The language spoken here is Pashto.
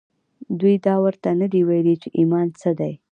دوی دا ورته نه دي ويلي چې ايمان څه دی.